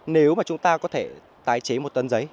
nếu mà chúng ta có thể tái chế một tấn giấy